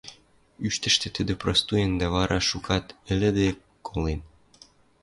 Ӱштӹштӹ тӹдӹ простуен дӓ вара шукат ӹлӹде, колен...